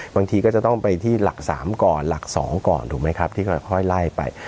บางทีก็จะต้องไปที่หลัก๓ก่อนหลัก๒ก่อนถูกไหมครับที่ค่อยไล่ไป